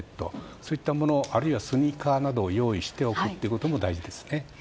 そういったものあるいはスニーカーなどを用意しておくということも大事ですね。